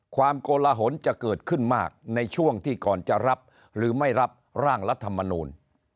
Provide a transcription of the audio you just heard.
โกลหนจะเกิดขึ้นมากในช่วงที่ก่อนจะรับหรือไม่รับร่างรัฐมนูล